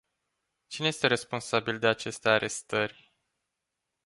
Cine este responsabil de aceste arestări?